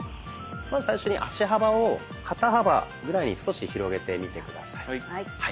まず最初に足幅を肩幅ぐらいに少し広げてみて下さい。